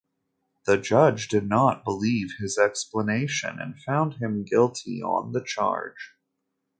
The judge did not believe his explanation and found him guilty on the charge.